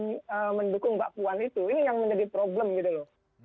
ini yang menjadi problem gitu loh